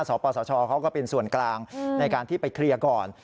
สปสชเขาก็เป็นส่วนกลางในการที่ไปเคลียร์ก่อน